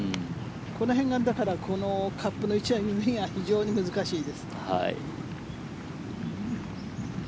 この辺がこのカップの位置は読みが非常に難しいです。